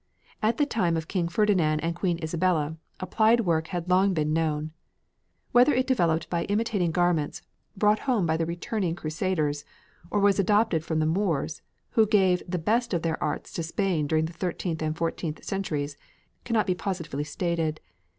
At the time of King Ferdinand and Queen Isabella, applied work had long been known. Whether it developed from imitating garments brought home by the returning Crusaders, or was adopted from the Moors, who gave the best of their arts to Spain during the thirteenth and fourteenth centuries, cannot be positively stated.